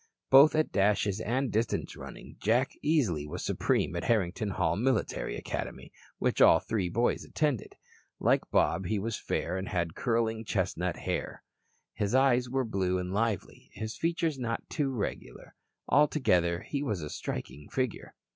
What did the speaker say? Both at dashes and distance running Jack easily was supreme at Harrington Hall Military Academy, which all three boys attended. Like Bob he was fair and had curling chestnut hair. His eyes were blue and lively, his features not too regular. Altogether, he was a striking figure.